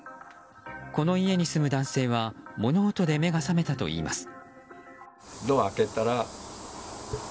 この家に住む男性は物音で目が覚めたといいます。